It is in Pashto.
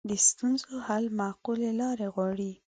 د ستونزو حل معقولې لارې غواړي